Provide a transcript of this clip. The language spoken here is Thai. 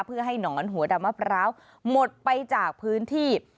เพื่อให้หนอนหัวดำมะพร้าวหมดไปจากพื้นที่